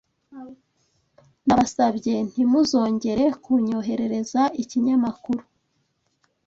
Ndabasabye ntimuzongere kunyoherereza ikinyamakuru